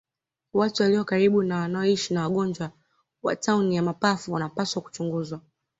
Watu walio karibu au wanaoishi na wagonjwa wa tauni ya mapafu wanapaswa kuchunguzwa